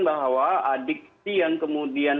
bahwa adiksi yang kemudian